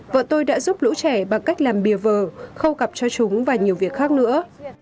vợ tôi đã giúp lũ trẻ bằng cách làm bìa vờ khâu cặp cho chúng và nhiều việc khác nữa